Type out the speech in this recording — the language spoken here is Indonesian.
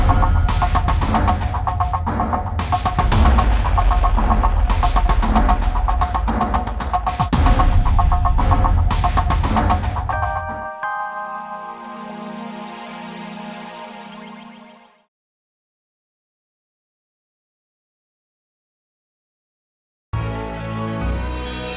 ibu udah sering sini ya bu